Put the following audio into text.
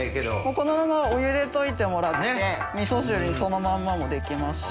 このままお湯で溶いてもらって味噌汁にそのまんまもできますし。